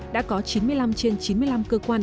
đã có chín mươi năm trên chín mươi năm cơ quan